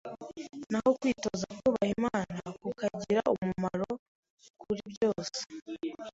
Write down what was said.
naho kwitoza kubaha Imana kukagira umumaro kuri byose,